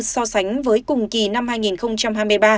so sánh với cùng kỳ năm hai nghìn hai mươi ba